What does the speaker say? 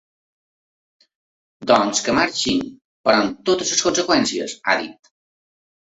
Doncs que marxin, però amb totes les conseqüències, ha dit.